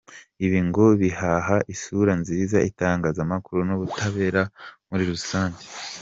Ibi ngo bihaha isura nziza itangazamakuru n’ubutabera muri rusange.